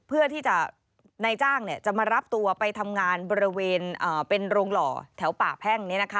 เพื่อที่จะนายจ้างจะมารับตัวไปทำงานบริเวณเป็นโรงหล่อแถวป่าแพ่ง